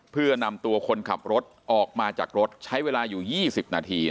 เพื่อนำตัวคนขับรถออกมาจากรถใช้เวลาอยู่๒๐นาที